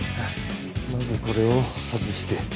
まずこれを外して。